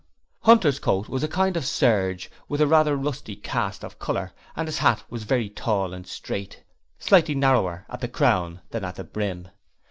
Hunter's coat was a kind of serge with a rather rusty cast of colour and his hat was very tall and straight, slightly narrower at the crown than at the brim.